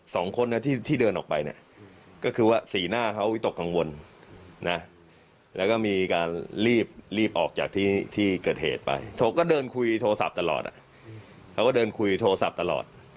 สองคนนะที่เดินออกไปเนี่ยก็คือว่าสี่หน้าเขาตกกังวลนะแล้วก็มีการรีบรีบออกจากที่ที่เกิดเหตุไปโทรก็เดินคุยโทรศัพท์ตลอด